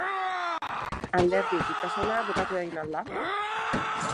Alderdi-bitasuna bukatu egin al da?